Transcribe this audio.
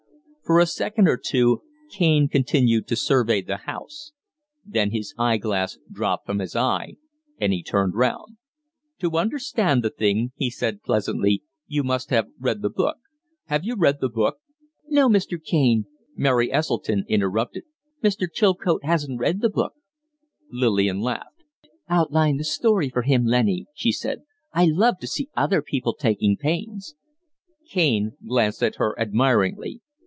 For a second or two Kaine continued to survey the house; then his eye glass dropped from his eye and he turned round. "To understand the thing," he said, pleasantly, "you must have read the book. Have you read the book?" "No, Mr. Kaine," Mary Esseltyn interrupted, "Mr. Chilcote hasn't read the book." Lillian laughed. "Outline the story for him, Lennie," she said. "I love to see other people taking pains." Kaine glanced at her admiringly.